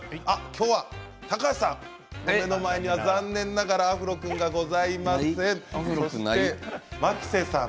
今日は高橋さん目の前には残念ながらアフロ君がございません。